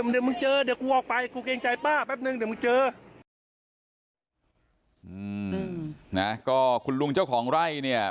เดี๋ยวมึงเจอฮืมนะคุณลุงเจ้าของไร่เนี่ย